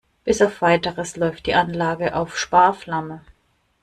Bis auf Weiteres läuft die Anlage auf Sparflamme.